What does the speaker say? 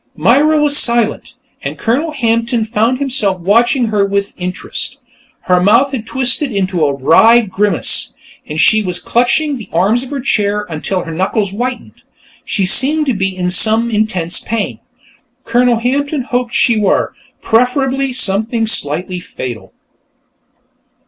Myra was silent, and Colonel Hampton found himself watching her with interest. Her mouth had twisted into a wry grimace, and she was clutching the arms of her chair until her knuckles whitened. She seemed to be in some intense pain. Colonel Hampton hoped she were; preferably with something slightly fatal.